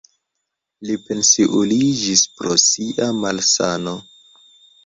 Li pensiuliĝis pro sia malsano.